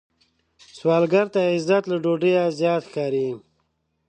سوالګر ته عزت له ډوډۍ زیات ښکاري